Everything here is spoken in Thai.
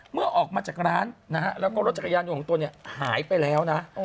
เมื่อออกมาจากร้านนะฮะแล้วก็รถจักรยานยนต์ของตนเนี่ยหายไปแล้วนะ